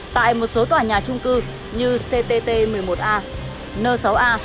tại một số tòa nhà trung cư như ctt một mươi một a n sáu a